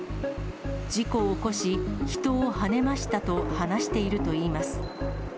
事故を起こし、人をはねましたと話しているといいます。